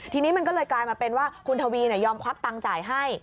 ทีนี้มันก็เลยกลายมาเป็นว่าคุณทวียอมควักตังค์จ่ายให้